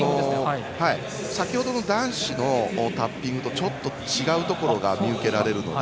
先ほどの男子のタッピングとちょっと違うところが見受けられるので。